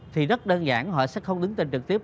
thì rất đơn giản họ sẽ không đứng tình trực tiếp